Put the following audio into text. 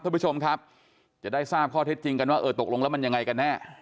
ท่านผู้ชมครับจะได้ทราบข้อเท็จจริงกันว่าเออตกลงแล้วมันยังไงกันแน่